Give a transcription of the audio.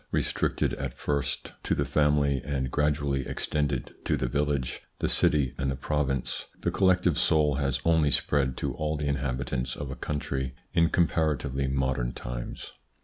Restricted at first T 4 THE PSYCHOLOGY OF PEOPLES: to the family and gradually extended to the village, the city, and the province, the collective soul has only spread to all the inhabitants of a country in com paratively modern times.